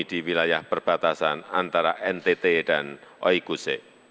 di wilayah perbatasan antara ntt dan oikuse